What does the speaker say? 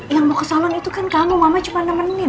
yang mau ke salon itu kan kamu mama cuma nemenin